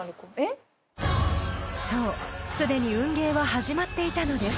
［そうすでに運ゲーは始まっていたのです］